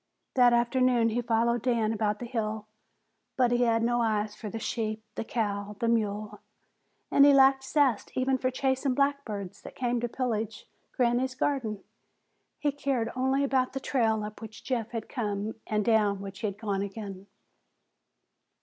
That afternoon he followed Dan about the hill, but he had no eyes for the sheep, the cow, the mule, and he lacked zest even for chasing blackbirds that came to pillage Granny's garden. He cared only about the trail up which Jeff had come and down which he had gone again.